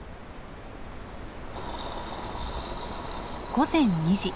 午前２時。